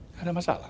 nggak ada masalah